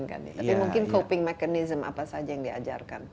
tapi mungkin mekanisme pengendalian apa saja yang diajarkan